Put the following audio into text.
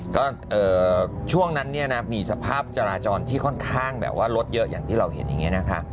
ก็ช่วงนั้นเนี่ยนะมีสภาพจราจรที่ค่อนข้างแบบว่ารถเยอะอย่างที่เราเห็นอย่างนี้นะคะ